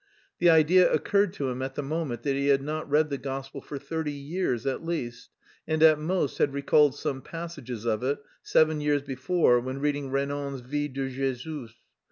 The idea occurred to him at the moment that he had not read the gospel for thirty years at least, and at most had recalled some passages of it, seven years before, when reading Renan's "Vie de Jésus."